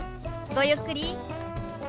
ごゆっくり。